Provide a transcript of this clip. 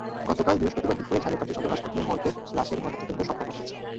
গতকাল বৃহস্পতিবার দুপুরে ঝালকাঠি সদর হাসপাতালের মর্গে লাশের ময়নাতদন্ত সম্পন্ন হয়েছে।